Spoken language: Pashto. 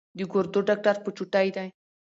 د ګردو ډاکټر په چوټۍ دی